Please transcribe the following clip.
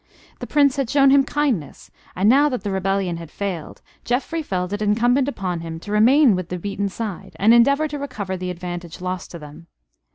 The Prince had shown him kindness, and now that the rebellion had failed, Geoffrey felt it incumbent upon him to remain with the beaten side, and endeavor to recover the advantage lost to them.